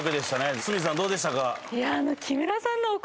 鷲見さんどうでしたか？